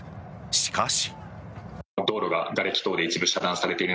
しかし。